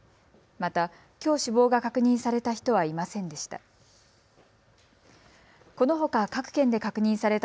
また、きょう死亡が確認された人はいませんでした。